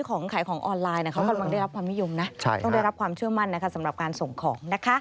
ของขายของออนไลน์เขากำลังได้รับความนิยมนะต้องได้รับความเชื่อมั่นนะคะสำหรับการส่งของนะคะ